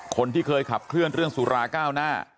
คนที่เคยขับเคลื่อนเรื่องสุราก้าวหน้า